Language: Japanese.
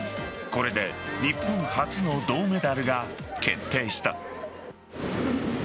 これで日本初の銅メダルが決定した。